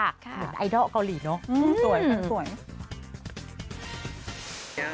เหมือนไอดอลเกาหลีเนอะสวย